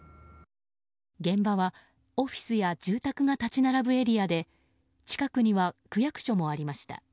現場はオフィスや住宅が立ち並ぶエリアで近くには区役所もありました。